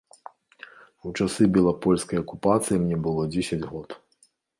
У часы белапольскай акупацыі мне было дзесяць год.